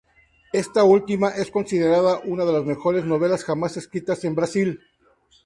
Esta última es considerada una de mejores novelas jamás escritas en Brasil.